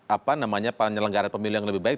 apa namanya penyelenggara pemilu yang lebih baik